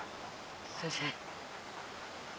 先生。